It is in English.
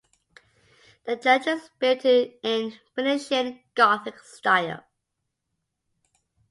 The church is built in Venetian Gothic style.